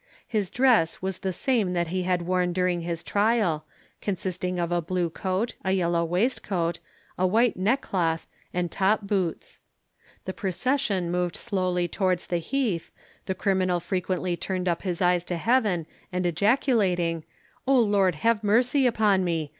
His dress was the same that he had worn during his trial, consisting of a blue coat, a yellow waistcoat, a white neck cloth, and top boots. The procession moved slowly towards the heath, the criminal frequently turned up his eyes to heaven, and ejaculating "O Lord, have mercy upon me!